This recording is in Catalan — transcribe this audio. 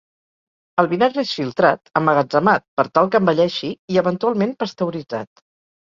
El vinagre és filtrat, emmagatzemat, per tal que envelleixi, i eventualment pasteuritzat.